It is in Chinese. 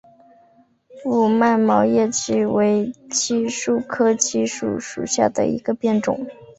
五脉毛叶槭为槭树科槭属下的一个变种。